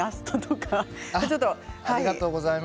ありがとうございます。